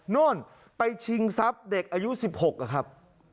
โน่นไปชิงซับเด็กอายุสิบหกอะครับ